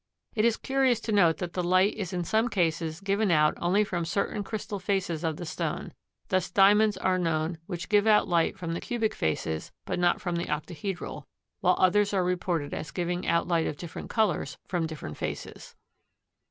It is curious to note that the light is in some cases given out only from certain crystal faces of the stone. Thus Diamonds 175 are known which give out light from the cubic faces but not from the octahedral, while others are reported as giving out light of different colors from different faces.